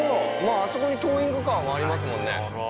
あそこにトーイングカーもありますもんね。